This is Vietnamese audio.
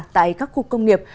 tại các khu công nghiệp